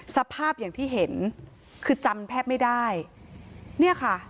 สภาพอย่างที่เห็นคือจำแทบไม่ได้เนี่ยค่ะ